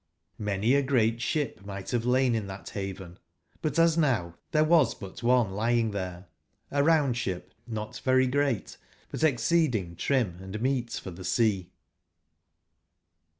JMany a great sbip migb t bave lain in tbat baven ; bu t as now tbere was but one lying tbere,a round/sbip not very great, bu t exceeding trim and meet for tbe sea.